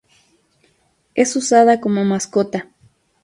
Es usada como mascota.